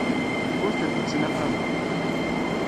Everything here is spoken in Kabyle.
Ur tent-ttnaqameɣ.